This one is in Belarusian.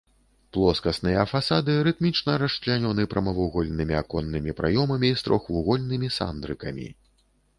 Плоскасныя фасады рытмічна расчлянёны прамавугольнымі аконнымі праёмамі з трохвугольнымі сандрыкамі.